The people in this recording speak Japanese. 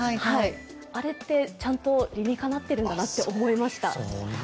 あれって、ちゃんと理にかなっているんだなって思いました。